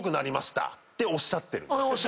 おっしゃってるんです。